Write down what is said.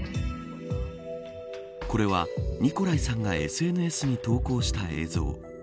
これは、ニコライさんがＳＮＳに投稿した映像。